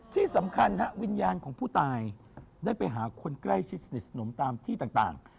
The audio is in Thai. ที่สำคัญฮะวิญญาณของผู้ตายได้ไปหาคนใกล้ชิดสนิทสนมตามที่ต่าง